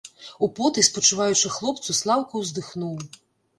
Употай спачуваючы хлопцу, Слаўка ўздыхнуў.